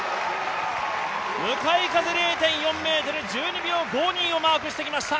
向かい風０．４メートル１２秒５２をマークしてきました。